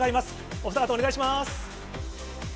お２方、お願いします。